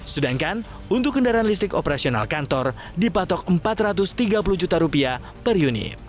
sedangkan untuk kendaraan listrik operasional kantor dipatok rp empat ratus tiga puluh juta rupiah per unit